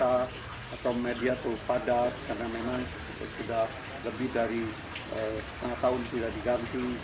atau media itu padat karena memang sudah lebih dari setengah tahun tidak diganti